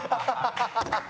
ハハハハ！